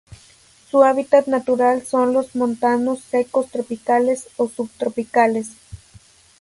Su hábitat natural son los montanos secos tropicales o subtropicales.